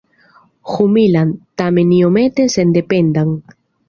Humilan, tamen iomete sendependan.